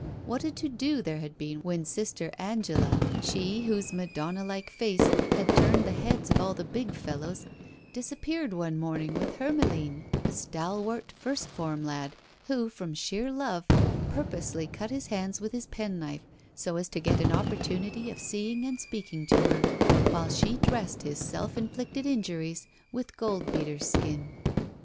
What a to do there had been when Sister Angela, she whose Madonna like face had turned the heads of all the big fellows, disappeared one morning with Hermeline, a stalwart first form lad, who, from sheer love, purposely cut his hands with his penknife so as to get an opportunity of seeing and speaking to her while she dressed his self inflicted injuries with gold beater's skin.